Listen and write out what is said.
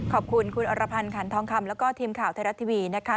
ขอบคุณคุณอรพันธ์ขันทองคำแล้วก็ทีมข่าวไทยรัฐทีวีนะคะ